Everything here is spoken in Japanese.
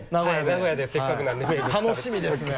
名古屋でせっかくなので楽しみですね。